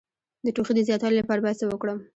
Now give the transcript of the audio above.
د ټوخي د زیاتوالي لپاره باید څه وکړم؟